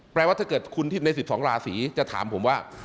ว่าถ้าเกิดคุณใน๑๒ราศีจะถามผมว่า